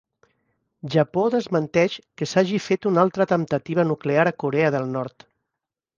Japó desmenteix que s'hagi fet una altra temptativa nuclear a Corea del Nord